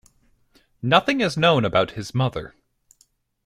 Nothing is known about his mother.